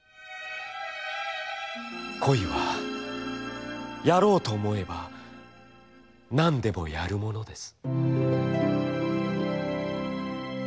「恋はやろうと思えばなんでもやるものです」。